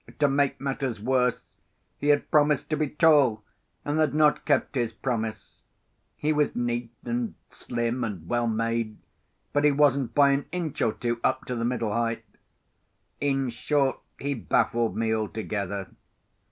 To make matters worse, he had promised to be tall, and had not kept his promise. He was neat, and slim, and well made; but he wasn't by an inch or two up to the middle height. In short, he baffled me altogether.